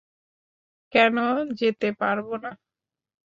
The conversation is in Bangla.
কেন যেতে পারব না?